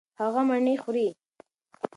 هغه مڼې خوري.